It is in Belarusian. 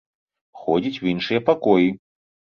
Ходзіць у іншыя пакоі.